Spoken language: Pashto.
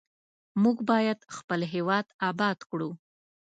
موږ باید خپل هیواد آباد کړو.